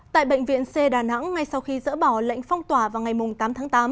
tại bệnh viện c đà nẵng ngay sau khi dỡ bỏ lệnh phong tỏa vào ngày tám tháng tám